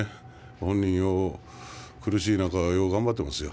本人も苦しい中よく頑張ってますよ。